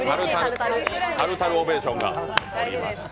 タルタルオベーションが起こりました。